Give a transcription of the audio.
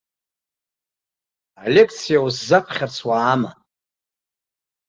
Алекциа усзаԥхьарц уаама?